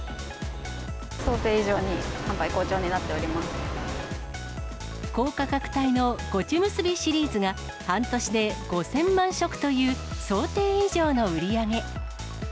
想像以上に販売好調になって高価格帯のごちむすびシリーズが、半年で５０００万食という想定以上の売り上げ。